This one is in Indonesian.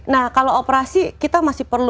nah kalau operasi kita masih perlu